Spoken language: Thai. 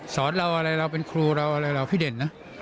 สอนเราอะไรเราเป็นครูเราอะไรเราพี่เด่นนะ